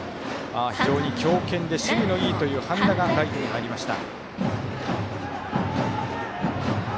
非常に強肩で守備がいいという半田がライトに入りました。